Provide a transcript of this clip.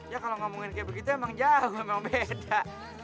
ya kalau ngomongin kayak begitu emang jauh emang beda